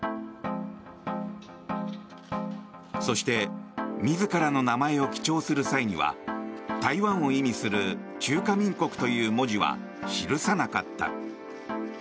そして自らの名前を記帳する際には台湾を意味する中華民国という文字は記さなかった。